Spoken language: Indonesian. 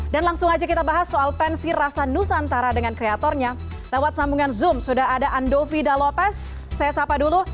dan langsung aja kita bahas soal pensi rasa nusantara dengan kreatornya lewat sambungan zoom sudah ada andovi dalopes saya sapa dulu